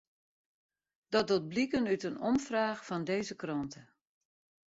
Dat docht bliken út in omfraach fan dizze krante.